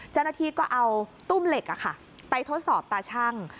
เจ้าหน้าที่ก็เอาตุ้มเหล็กไปทดสอบตาชั่ง